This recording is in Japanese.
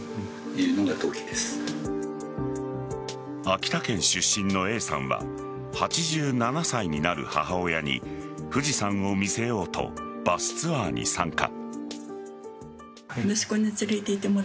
秋田県出身のＡさんは８７歳になる母親に富士山を見せようとバスツアーに参加。